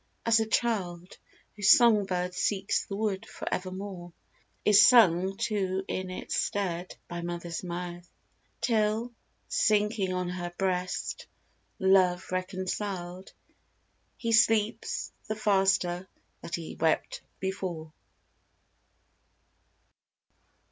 As a child, Whose song bird seeks the wood for evermore, Is sung to in its stead by Mother's mouth ; Till, sinking on her breast, love reconciled, He sleeps the faster that he wept before.